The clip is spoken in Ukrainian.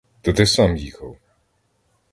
То ти сам їхав?